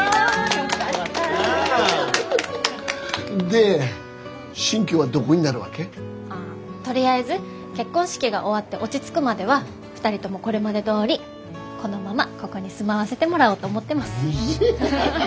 で新居はどこになるわけ？あっとりあえず結婚式が終わって落ち着くまでは２人ともこれまでどおりこのままここに住まわせてもらおうと思ってます。